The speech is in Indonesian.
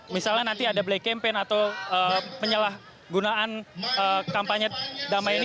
misalnya nanti ada black campaign atau penyalahgunaan kampanye damai ini